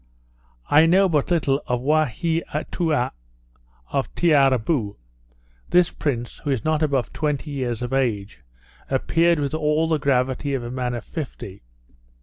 I know but little of Waheatoua of Tiarrabou. This prince, who is not above twenty years of age, appeared with all the gravity of a man of fifty.